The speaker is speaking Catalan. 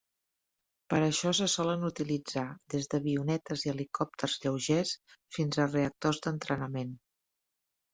Per això se solen utilitzar des d'avionetes i helicòpters lleugers fins a reactors d'entrenament.